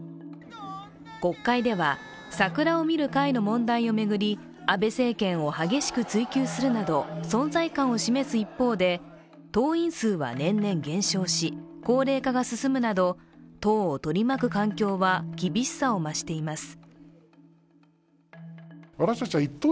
国会では、桜を見る会の問題を巡り安倍政権を激しく追及するなど存在感を示す一方で党員数は年々減少し、高齢化が進むなど党を取り巻く環境は厳しさを増しています。